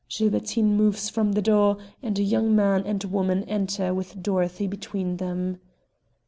Gilbertine moves from the door, and a young man and woman enter with Dorothy between them.